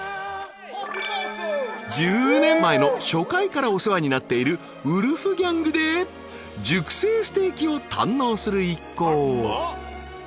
［１０年前の初回からお世話になっているウルフギャングで熟成ステーキを堪能する一行］